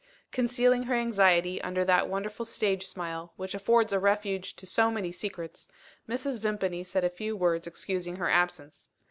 Concealing her anxiety under that wonderful stage smile, which affords a refuge to so many secrets, Mrs. Vimpany said a few words excusing her absence.